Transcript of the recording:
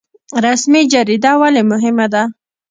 رسمي جریده ولې مهمه ده؟